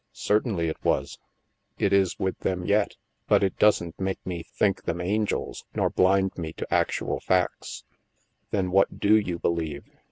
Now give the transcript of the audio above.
" Certainly it was. It is with them yet. But it doesn't make me think them angels, nor blind me to actual facts." " Then what do you believe?